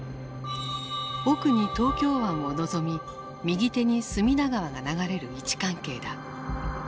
奥に東京湾をのぞみ右手に隅田川が流れる位置関係だ。